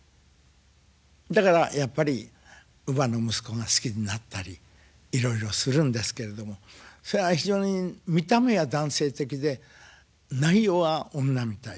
だからやっぱり乳母の息子が好きになったりいろいろするんですけれどもそりゃあ非常に見た目は男性的で内容は女みたい。